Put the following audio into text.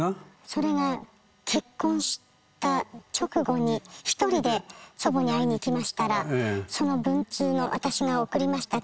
それが結婚した直後に一人で祖母に会いに行きましたらその文通の私が送りました